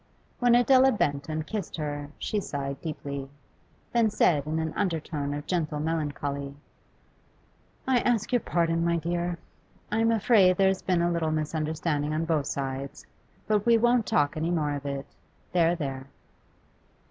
When Adela bent and kissed her she sighed deeply, then said in an undertone of gentle melancholy: 'I ask your pardon, my dear. I am afraid there has been a little misunderstanding on both sides. But we won't talk any more of it there, there!